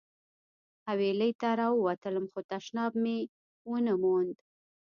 حویلۍ ته راووتلم خو تشناب مې ونه موند.